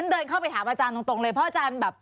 เดินเข้าไปถามอาจารย์ตรงเลยเพราะอาจารย์แบบ